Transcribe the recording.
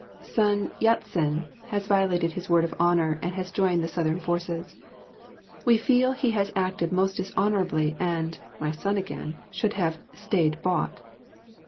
Sun Yat sen has violated his word of honour and has joined the Southern forces. We feel he has acted most dishonourably and (my son again) should have "staid bought."